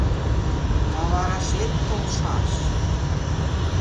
Каварашет толшаш!